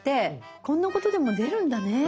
こんなことでも出るんだね。